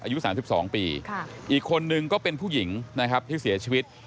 อายุ๓๒ปีอีกคนนึงก็เป็นผู้หญิงนะครับที่เสียชีวิต